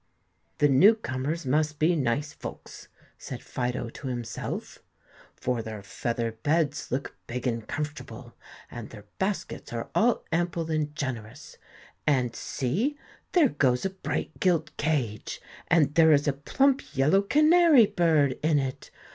"The new comers must be nice folks," said Fido to himself, "for their feather beds look big and comfortable, and their baskets are all ample and generous, and see, there goes a bright gilt cage, and there is a plump yellow canary bird in it!